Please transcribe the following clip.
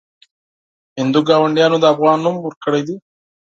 هندو ګاونډیانو د افغان نوم ورکړی دی.